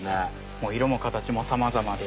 もういろも形もさまざまで。